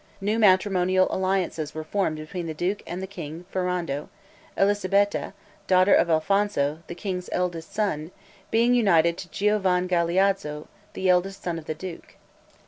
New matrimonial alliances were formed between the duke and king Ferrando; Elisabetta, daughter of Alfonso, the king's eldest son, being united to Giovan Galeazzo, the eldest son of the duke.